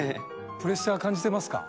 プレッシャー感じてますか？